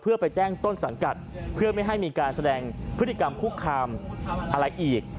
เพื่อไปแจ้งต้นสังกัดเพื่อไม่ให้มีการแสดงพฤติกรรมคุกคามอะไรอีก